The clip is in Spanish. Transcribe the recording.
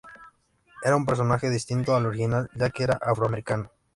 Era un personaje distinto al original ya que era afroamericano.